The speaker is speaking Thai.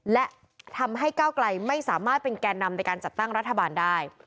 และทำให้ก้าวไกลไม่สามารถเป็นแก่นำในการจัดตั้งรัฐบาลได้